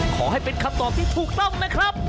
ขอให้เป็นคำตอบที่ถูกต้องนะครับ